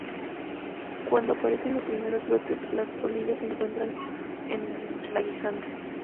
Cuando aparecen los primeros brotes, las polillas se encuentran en la guisantes.